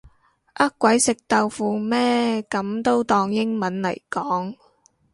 呃鬼食豆腐咩噉都當英文嚟講